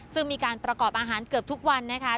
ซึ่งมีการประกอบอาหารเกือบทุกวันนะคะ